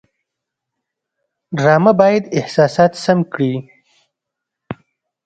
ډرامه باید احساسات سم کړي